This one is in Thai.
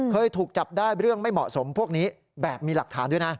เคยถูกจับได้เรื่องไม่เหมาะสมพวกนี้แบบมีหลักฐานด้วยนะ